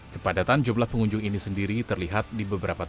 kepadatan jumlah pengunjung ini sendiri terlihat di beberapa titik